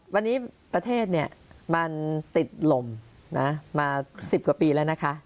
วันนี้ประเทศเนี่ยมันติดลมมา๑๐กว่าปีแล้วนะคะ